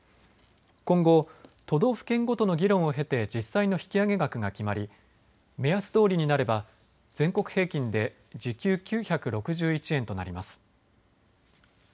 今後、都道府県ごとの議論を経て実際の引き上げ額が決まり目安どおりになれば全国平均で時給９６１円となります。